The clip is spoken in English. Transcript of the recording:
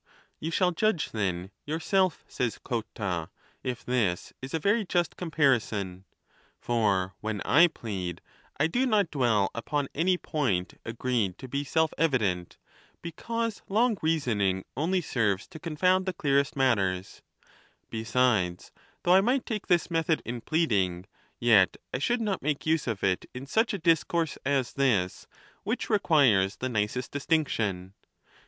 IV. You shall judge, then, yourself, says Cotta, if this is a very just comparison ; for, \yheu I plead, I do not dwell upon any point agreed to be self evident, because long rea soning only serves to confound the clearest matters; be sides, though I might take this method in pleading, yet I should not make use of it in such a discourse as this, which requires the nicest distinction.